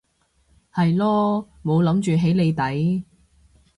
係囉冇諗住起你底